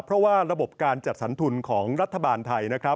เพราะว่าระบบการจัดสรรทุนของรัฐบาลไทยนะครับ